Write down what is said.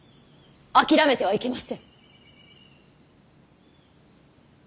諦めてはいけません。